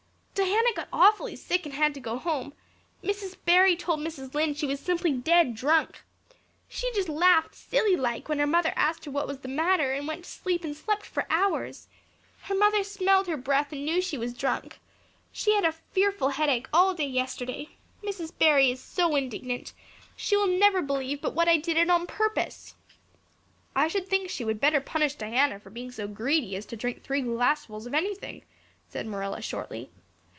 Diana got awfully sick and had to go home. Mrs. Barry told Mrs. Lynde she was simply dead drunk. She just laughed silly like when her mother asked her what was the matter and went to sleep and slept for hours. Her mother smelled her breath and knew she was drunk. She had a fearful headache all day yesterday. Mrs. Barry is so indignant. She will never believe but what I did it on purpose." "I should think she would better punish Diana for being so greedy as to drink three glassfuls of anything," said Marilla shortly.